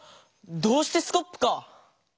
「どうしてスコップ」か！